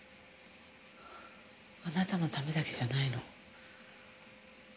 あなたのためだけじゃないの。